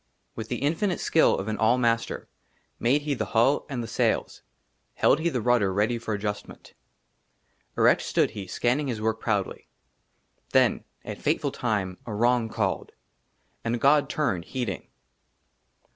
WITH THE INFINITE SKILL OF AN ALL MASTER MADE HE THE HULL AND THE SAILS, HELD HE THE RUDDER READY FOR ADJUSTMENT. ERECT STOOD HE, SCANNING HIS WORK PROUDLY. THEN AT FATEFUL TIME A WRONG CALLED, AND GOD TURNED, HEEDING.